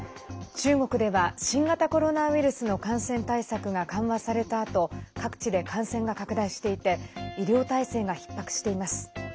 中国では新型コロナウイルスの感染対策が緩和されたあと各地で感染が拡大していて医療体制がひっ迫しています。